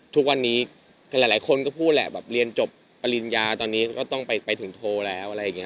ทุกวันนี้หลายคนก็พูดแบบเรียนจบปริญญาตอนนี้ก็ต้องไปถึงโทรแล้ว